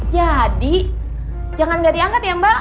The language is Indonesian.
jadi jangan gak diangkat ya mbak